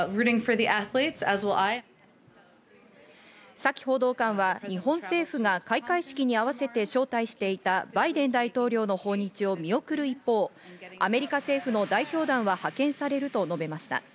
サキ報道官は日本政府が開会式に合わせて招待していたバイデン大統領の訪日を見送る一方、アメリカ政府の代表団は派遣されると述べました。